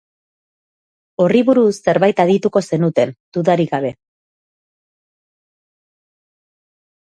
Horri buruz zerbait adituko zenuten, dudarik gabe.